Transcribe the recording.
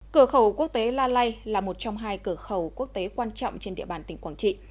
cửa khẩu quốc tế la lai là một trong hai cửa khẩu quốc tế quan trọng trên địa bàn tỉnh quảng trị